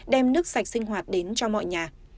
đem nước sạch sinh hoạt đến cho mọi nhà